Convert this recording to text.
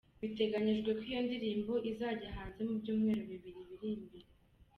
Biteganijwe ko iyo ndirimbo izajya hanze mu byumweru bibiri biri imbere.